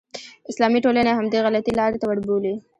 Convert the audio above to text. اسلامي ټولنې همدې غلطې لارې ته وربولي.